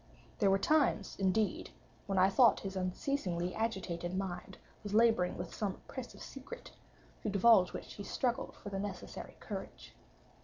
There were times, indeed, when I thought his unceasingly agitated mind was laboring with some oppressive secret, to divulge which he struggled for the necessary courage.